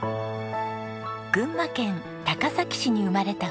群馬県高崎市に生まれた郁子さん。